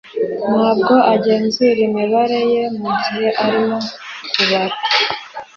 Ntabwo agenzura imibare ye mugihe arimo kubara